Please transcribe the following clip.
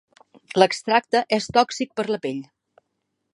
L'extracte és tòxic per la pell.